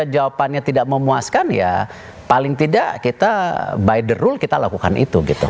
jawabannya tidak memuaskan ya paling tidak kita by the rule kita lakukan itu gitu